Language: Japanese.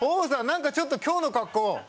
何かちょっと今日の格好。